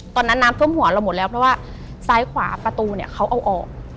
ตอนนั้นน้ำท่วมหัวเราหมดแล้วเพราะว่าซ้ายขวาประตูเนี่ยเขาเอาออก